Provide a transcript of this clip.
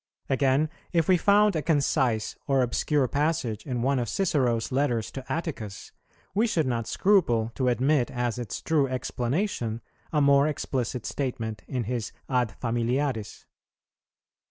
Again, if we found a concise or obscure passage in one of Cicero's letters to Atticus, we should not scruple to admit as its true explanation a more explicit statement in his Ad Familiares.